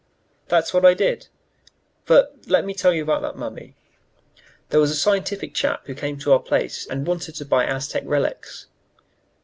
"That's what I did. But let me tell you about that mummy. There was a scientific chap who came to our place and wanted to buy Aztec relics.